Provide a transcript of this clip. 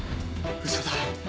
嘘だ。